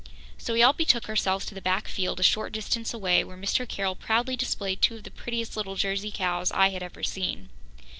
So we all betook ourselves to the back field, a short distance away, where Mr. Carroll proudly displayed two of the prettiest little Jersey cows I had ever seen.